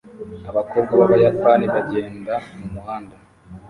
Abakobwa b'Abayapani bagenda mumuhanda